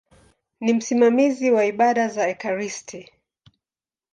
Ni msimamizi wa ibada za ekaristi.